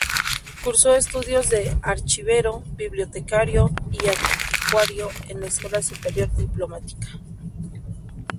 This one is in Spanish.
Cursó estudios de archivero, bibliotecario y anticuario en la Escuela Superior Diplomática.